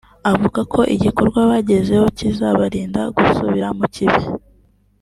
avuga ko igikorwa bagezeho kizabarinda gusubira mu kibi